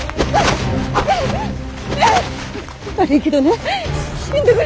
悪いけどね死んどくれ！